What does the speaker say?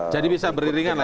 jadi bisa beriringan